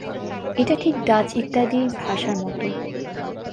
এটা ঠিক ডাচ ইত্যাদি ভাষার মত।